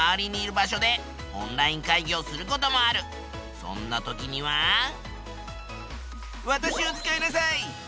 そんな時には私を使いなさい。